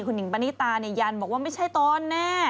คุณหญิงปณิตายันบอกว่าไม่ใช่ตนแน่